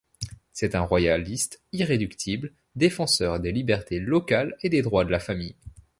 C'est un royaliste irréductible, défenseur des libertés locales et des droits de la famille.